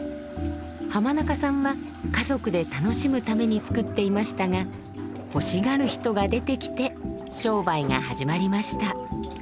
浜中さんは家族で楽しむために作っていましたが欲しがる人が出てきて商売が始まりました。